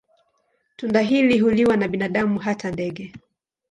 Tunda hili huliwa na binadamu na hata ndege.